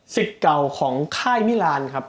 สิทธิ์เก่าของค่ายมิรานครับ